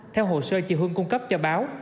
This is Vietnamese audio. theo hồ sơ chị hương cung cấp cho báo